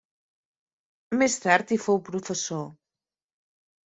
Més tard hi fou professor.